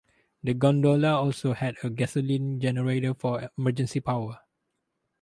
The gondola also had a gasoline generator for emergency power.